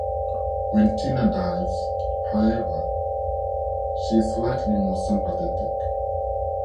When Tina dies, however, she is slightly more sympathetic.